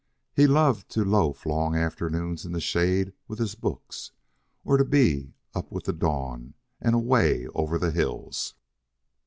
He loved to loaf long afternoons in the shade with his books or to be up with the dawn and away over the hills.